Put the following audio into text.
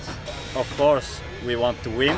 tentu saja kita ingin menang